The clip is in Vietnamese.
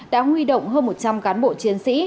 đã huy động hơn một trăm linh cán bộ chiến sĩ